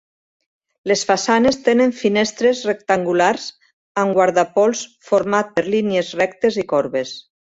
Les façanes tenen finestres rectangulars amb guardapols format per línies rectes i corbes.